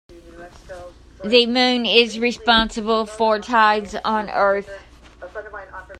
The moon is responsible for tides on earth.